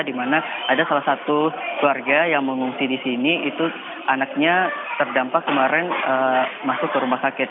di mana ada salah satu keluarga yang mengungsi di sini itu anaknya terdampak kemarin masuk ke rumah sakit